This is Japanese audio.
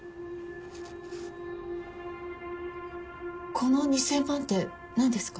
この２０００万って何ですか？